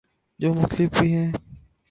جو مختلف بھی ہیں